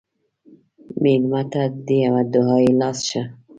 مېلمه ته د یوه دعایي لاس شه.